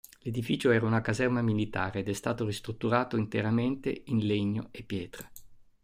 L'edificio era una caserma militare ed è stato ristrutturato interamente in legno e pietra.